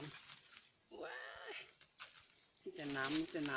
มีแค่น้ำ